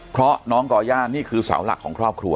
เพราะน้องก่อย่านี่คือเสาหลักของครอบครัว